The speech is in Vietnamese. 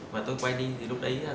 và tôi quay đi thì lúc đấy